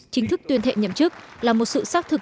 chính thức tuyên thệ nhậm chức là một sự xác thực